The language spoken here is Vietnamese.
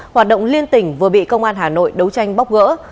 hoạt động liên tỉnh vừa bị công an hà nội đấu tranh bóc gỡ